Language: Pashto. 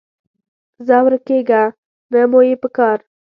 ځه ورکېږه، نه مو یې پکار